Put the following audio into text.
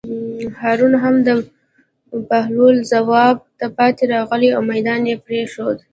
هارون هم د بهلول ځواب ته پاتې راغی او مېدان یې پرېښود.